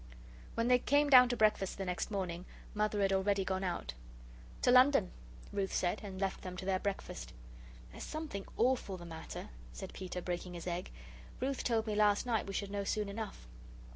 When they came down to breakfast the next morning, Mother had already gone out. "To London," Ruth said, and left them to their breakfast. "There's something awful the matter," said Peter, breaking his egg. "Ruth told me last night we should know soon enough."